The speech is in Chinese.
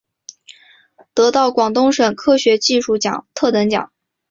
得到广东省科学技术奖特等奖。